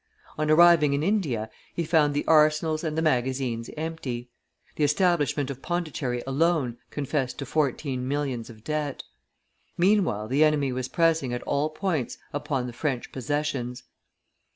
On arriving in India, he found the arsenals and the magazines empty; the establishment of Pondicherry alone confessed to fourteen millions of debt. Meanwhile the enemy was pressing at all points upon the French possessions.